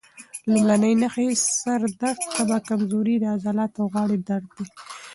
لومړنۍ نښې یې سر درد، تبه، کمزوري، د عضلاتو او غاړې درد دي.